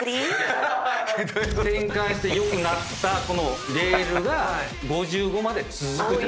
⁉転換して良くなったこのレールが５５まで続く。